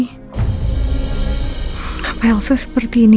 kenapa elsa seperti ini